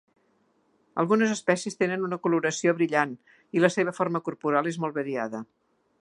Algunes espècies tenen una coloració brillant, i la seva forma corporal és molt variada.